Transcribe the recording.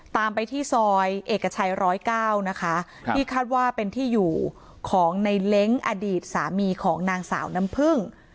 ตามไปที่ซอยเอกชัย๑๐๙นะคะที่คาดว่าเป็นที่อยู่ของในเล้งอดีตสามีของนางสาวน้ำพึ่ง